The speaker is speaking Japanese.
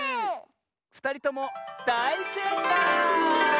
ふたりともだいせいかい！